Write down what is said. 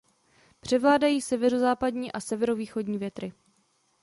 Převládají severozápadní a severovýchodní větry.